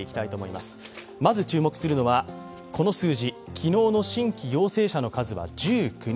まず注目するのは、昨日の新規陽性者の数は１９人。